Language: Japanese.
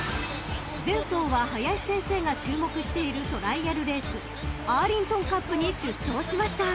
［前走は林先生が注目しているトライアルレースアーリントンカップに出走しました］